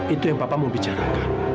itu yang bapak mau bicarakan